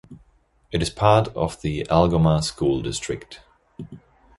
It is part of the Algoma School District.